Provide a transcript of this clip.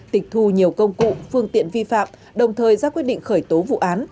tịch thu nhiều công cụ phương tiện vi phạm đồng thời ra quyết định khởi tố vụ án